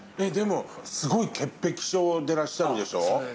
でもすごい潔癖症でいらっしゃるでしょう。